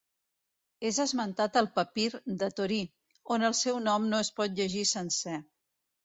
És esmentat al Papir de Torí on el seu nom no es pot llegir sencer.